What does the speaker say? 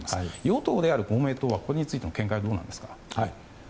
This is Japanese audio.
与党である公明党はこれについての見解はどうですか。